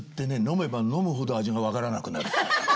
飲めば飲むほど味が分からなくなる。